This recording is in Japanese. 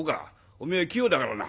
おめえは器用だからな。